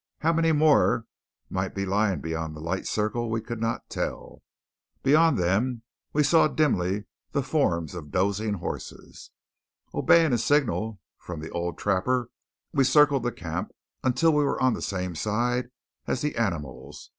How many more might be lying beyond the light circle we could not tell. Beyond them we saw dimly the forms of dozing horses. Obeying a signal from the old trapper, we circled the camp until we were on the same side as the animals.